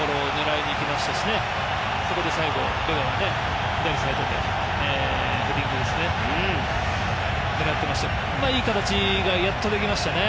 いい形がやっとできましたね。